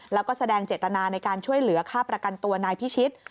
แล้วก็แสดงเจตนาในการช่วยเหลือค่าประกันตัวนายพิชิต